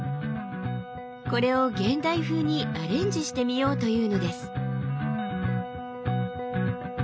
これを現代風にアレンジしてみようというのです。